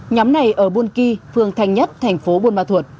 nhóm này ở buôn ky phương thành nhất thành phố buôn ma thuật